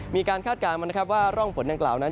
คาดการณ์มานะครับว่าร่องฝนดังกล่าวนั้น